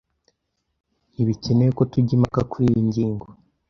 Ntibikenewe ko tujya impaka kuriyi ngingo.